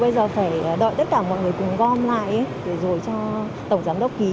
bây giờ phải đợi tất cả mọi người cùng gom lại để rồi cho tổng giám đốc ký